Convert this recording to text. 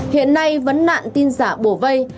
hiện nay vấn nạn tin giả bổ vây